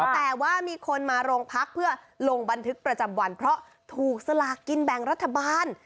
แต่ว่ามีคนมาโรงพักเพื่อลงบันทึกประจำวันเพราะถูกสลากกินแบ่งรัฐบาล